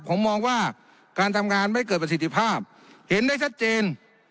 ผมมองว่าการทำงานไม่เกิดประสิทธิภาพเห็นได้ชัดเจน